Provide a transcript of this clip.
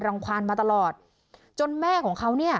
รังความมาตลอดจนแม่ของเขา